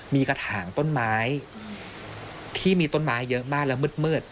มีกระถางต้นไม้ที่มีต้นไม้เยอะมากแล้วมืด